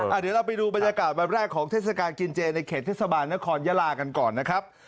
เดี๋ยวเราไปดูบรรยากาศวันแรกของเทศกาลกินเจในเขตเทศบาลนครยาลากันก่อนนะครับ